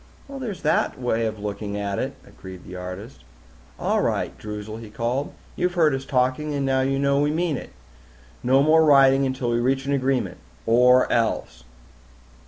"There's that way of looking at it," agreed the artist. "All right, Droozle," he called. "You heard us talking and you know we mean it. No more writing until we reach an agreement or else!"